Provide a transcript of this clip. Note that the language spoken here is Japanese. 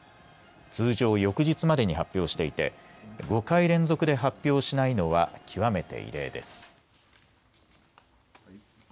通常、翌日までに発表していて５回連続で発表しないのは極めて異例です。